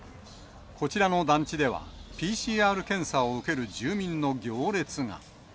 こちらの団地では、ＰＣＲ検査を受ける住民の行列が。